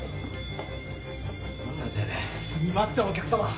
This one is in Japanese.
すみませんお客様。